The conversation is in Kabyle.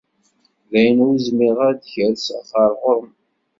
Dayen, ur zmireɣ ad d-kerseɣ ɣer ɣur-m.